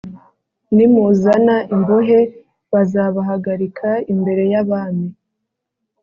Nimuzana imbohe bazabahagarika imbere y abami